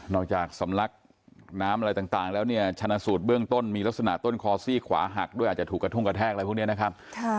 จากสำลักน้ำอะไรต่างแล้วเนี่ยชนะสูตรเบื้องต้นมีลักษณะต้นคอซี่ขวาหักด้วยอาจจะถูกกระทุ่งกระแทกอะไรพวกนี้นะครับ